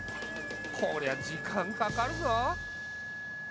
こりゃ時間かかるぞ。